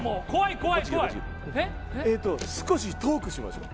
少しトークしましょう。